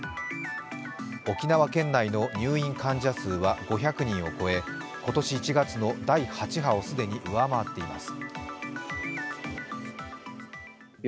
沖縄県内の入院患者数は５００人を超え、今年１月の第８波を既に上回っています。